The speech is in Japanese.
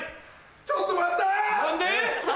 ちょっと待った！